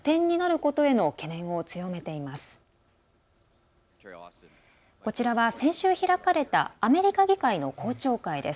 こちらは先週開かれたアメリカ議会の公聴会です。